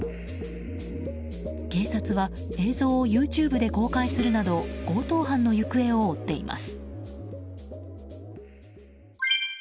警察は映像をＹｏｕＴｕｂｅで公開するなど強盗犯の行方を追っています。